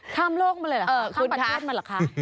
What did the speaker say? ข้ามโลกมาเลยเหรอข้ามประเทศมาเหรอคะ